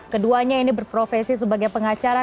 keduanya ini berprofesi sebagai pengacara